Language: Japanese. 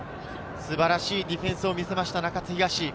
素晴らしいディフェンスを見せました、中津東。